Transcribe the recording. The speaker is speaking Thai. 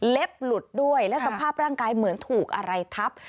หลุดด้วยและสภาพร่างกายเหมือนถูกอะไรทับ